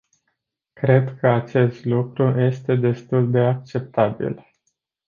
Cred că acest lucru este destul de acceptabil.